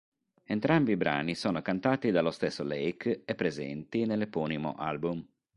Entrambi i brani sono cantati dallo stesso Lake e presenti nell'eponimo album.